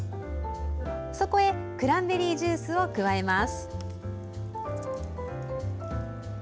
そこへクランベリージュースを加えます。